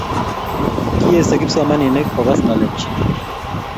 kiesho kipsomaninik kokas ng'alekchi